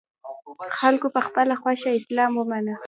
خلکو په خپله خوښه اسلام ومانه